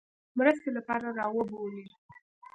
مرستې لپاره را وبولي.